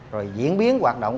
rồi diễn biến hoạt động